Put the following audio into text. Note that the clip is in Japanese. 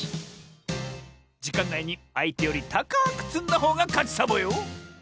じかんないにあいてよりたかくつんだほうがかちサボよ！